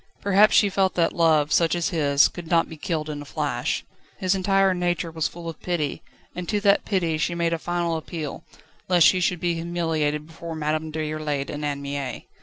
Perhaps she felt that love, such as his, could not be killed in a flash. His entire nature was full of pity, and to that pity she made a final appeal, lest she should be humiliated before Madame Déroulède and Anne Mie.